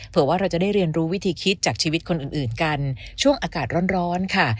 ว่าเราจะได้เรียนรู้วิธีคิดจากชีวิตคนอื่นกันช่วงอากาศร้อนค่ะ